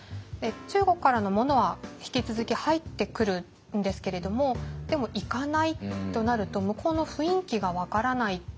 中国からのものは引き続き入ってくるんですけれどもでも行かないとなると向こうの雰囲気が分からない。